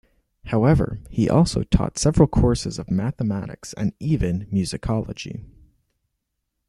However he also taught several courses of mathematics and even musicology.